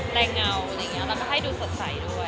แล้วก็อย่าลืมนะคะดูสิ่งของคุณนะคะ